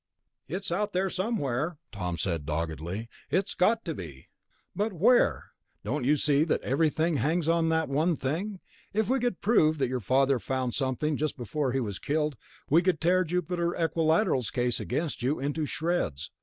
"It's out there somewhere," Tom said doggedly. "It's got to be." "But where? Don't you see that everything hangs on that one thing? If we could prove that your father found something just before he was killed, we could tear Jupiter Equilateral's case against you into shreds.